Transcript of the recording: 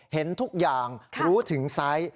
เห็นทุกอย่างรู้ถึงไซส์